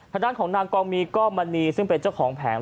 ทางด้านของนางกองมีก้อมณีซึ่งเป็นเจ้าของแผง